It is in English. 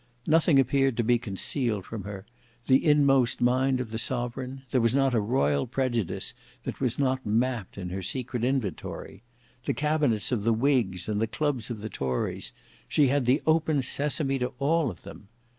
Nothing appeared to be concealed from her; the inmost mind of the sovereign: there was not a royal prejudice that was not mapped in her secret inventory; the cabinets of the whigs and the clubs of the tories, she had the "open sesame" to all of them.